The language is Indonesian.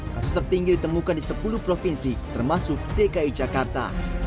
kasus tertinggi ditemukan di sepuluh provinsi termasuk dki jakarta